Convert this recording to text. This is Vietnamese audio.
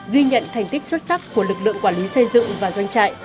ghi nhận thành tích xuất sắc của lực lượng quản lý xây dựng và doanh trại